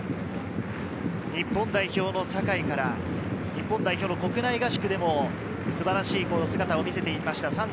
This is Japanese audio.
日本代表の酒井から日本代表の国内合宿でも素晴らしい姿を見せていました。